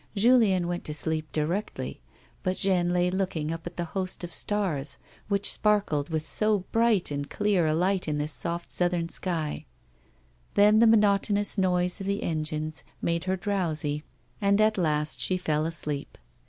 Julien went to sleep directly, but Jeanne lay looking up at the host of stars which sparkled with so bright and clear a light in this soft Southern sky ; then the monotonous noise of the engines made her drowsy, and at last she fell asleep.